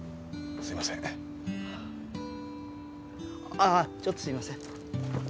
ああちょっとすみません。